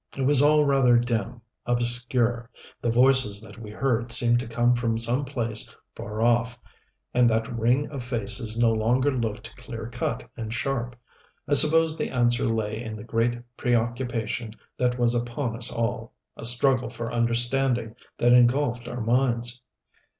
It was all rather dim, obscure, the voices that we heard seemed to come from some place far off, and that ring of faces no longer looked clear cut and sharp. I suppose the answer lay in the great preoccupation that was upon us all, a struggle for understanding that engulfed our minds.